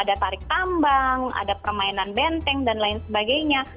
ada tarik tambang ada permainan benteng dan lain sebagainya